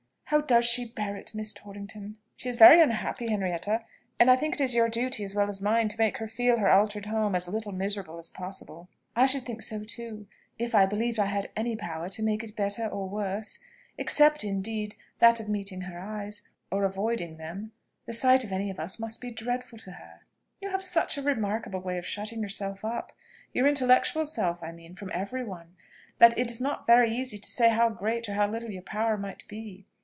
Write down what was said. How does she bear it, Miss Torrington?" "She is very unhappy, Henrietta: and I think it is your duty, as well as mine, to make her feel her altered home as little miserable as possible." "I should think so too, if I believed I had any power to make it better or worse, except, indeed, that of meeting her eyes, or avoiding them. The sight of any of us must be dreadful to her." "You have such a remarkable way of shutting yourself up your intellectual self I mean, from every one, that it is not very easy to say how great or how little your power might be.